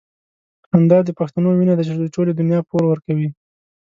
همدا د پښتنو وينه ده چې د ټولې دنيا پور ورکوي.